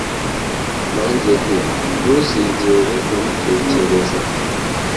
Nanjye nti ntuzigere ubitekereza,